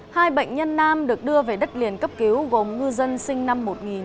hai bệnh nhân nam được đưa về đất liền cấp cứu gồm ngư dân sinh năm một nghìn chín trăm tám mươi